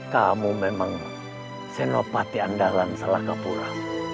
kamu memang senopati andalan salakapura